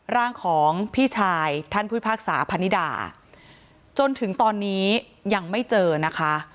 ร่างของพี่ชายท่านผู้พิพากษาพนิดาจนถึงตอนนี้ยังไม่เจอนะคะ